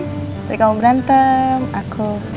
tadi kamu berantem aku